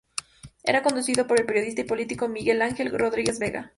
Era conducido por el periodista y político, Miguel Ángel Rodríguez Vega.